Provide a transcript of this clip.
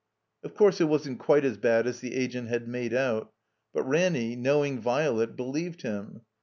Of course, it wasn't quite as bad as the agent had made out. But Ranny, knowing Violet, believed him.